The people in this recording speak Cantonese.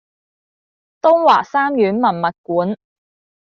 東華三院文物館